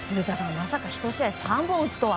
まさか１試合３本打つとは。